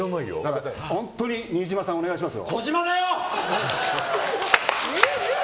本当に飯嶋さんお願いしますよ。